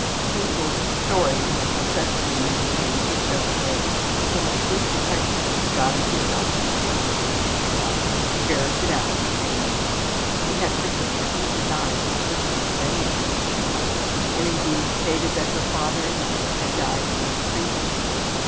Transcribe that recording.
Hazel's stories were successfully maintained for several days until a shrewd detective, who got her to tell some street numbers in Chicago, ferreted out her family. She had persistently denied the existence of any of them in Chicago, and, indeed, stated that her father and mother had died years previously.